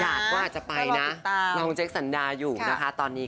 อยากว่าจะไปนะน้องเจ๊สันดาอยู่นะคะตอนนี้